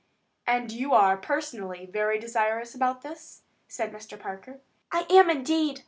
"And you are, personally, very desirous about this?" said Mr. Parker. "I am indeed.